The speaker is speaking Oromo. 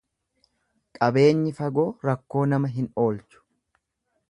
Qabeenyi fagoo rakkoo nama hin oolchu.